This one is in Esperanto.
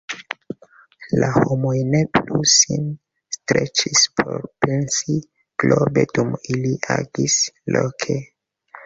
La homoj ne plu sin streĉis por pensi globe dum ili agis loke.